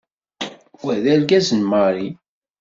Wa d argaz n Mary.